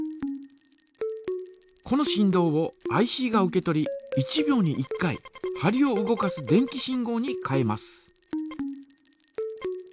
この振動をＩＣが受け取り１秒に１回針を動かす電気信号に変えます。